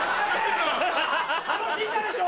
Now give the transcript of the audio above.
楽しんだでしょ？